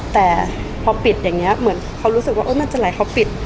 แต่พอปิดอย่างนี้เขารู้สึกว่ามันจะไหลเขาปิด